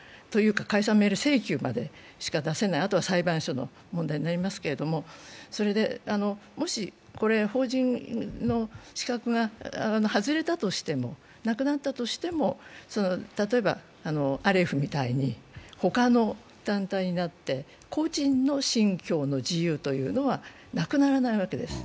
解散命令請求までしか出せない、あとは裁判所の問題になりますけれども、もし法人の資格が外れたとしても、なくなったとしても例えばアレフみたいにほかの団体になって個人の信教の自由というのはなくならないわけです。